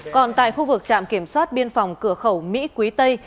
còn tại khu vực trạm kiểm soát biên phòng cửa khẩu mỹ quý tây